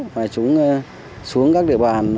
mà chúng xuống các địa bàn